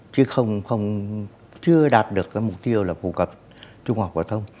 chứ không chưa đạt được cái mục tiêu là phổ cập trung học phổ thông